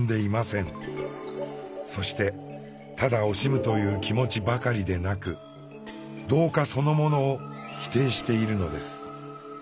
そしてただ惜しむという気持ちばかりでなく「同化」そのものを否定しているのです。